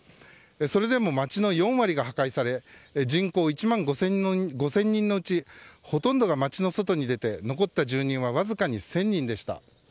それでも町の４割が破壊され人口１万５０００人のうちほとんどが街の外に出て残った住人はわずかに１０００人でした。